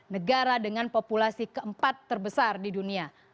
negara dengan populasi keempat terbesar di dunia